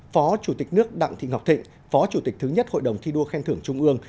phó chủ tịch nước đặng thị ngọc thịnh phó chủ tịch thứ nhất hội đồng thi đua khen thưởng trung ương